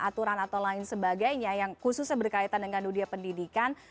aturan atau lain sebagainya yang khususnya berkaitan dengan dunia pendidikan